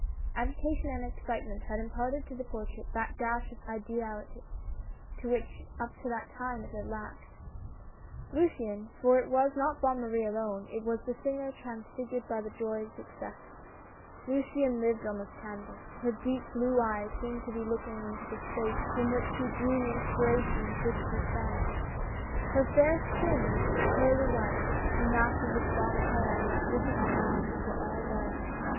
Agitation and excitement had imparted to the portrait that dash of ideality which up to that time it had lacked. Luciane — for it was not Bonne Marie alone, it was the singer transfigured by the joy of success — Luciane lived on this canvas ; her deep blue eyes seemed to be looking into space from which she drew the inspiration with which she sang; her fair skin with its pearly lights, her masses of blonde hair and magnificent arms were all there.